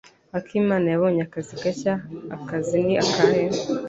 "Akimana yabonye akazi gashya." "Akazi ni akahe?"